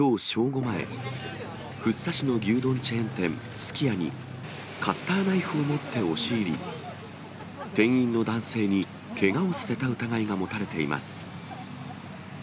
午前、福生市の牛丼チェーン店、すき家に、カッターナイフを持って押し入り、店員の男性にけがをさせた疑いが持たれています。